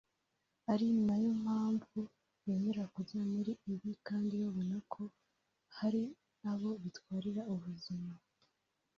ari nayo mpamvu bemera kujya muri ibi kandi babona ko hari abo bitwarira ubuzima